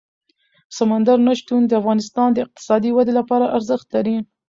سمندر نه شتون د افغانستان د اقتصادي ودې لپاره ارزښت لري.